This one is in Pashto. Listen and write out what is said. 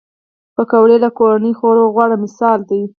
پکورې له کورني خوړو غوره مثال دی